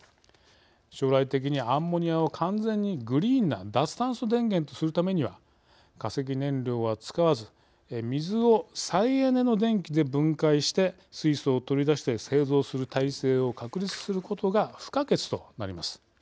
将来的にアンモニアを完全にグリーンな脱炭素電源とするためには化石燃料は使わず水を再エネの電気で分解して水素を取り出して製造する体制を確立することが不可欠となります。